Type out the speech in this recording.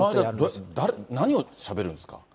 何をしゃべるんですか？